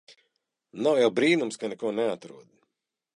Nav jau brīnums ka neko neatrod.